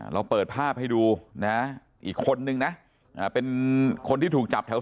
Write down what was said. เราเปิดภาพให้ดูนะอีกคนนึงนะเป็นคนที่ถูกจับแถว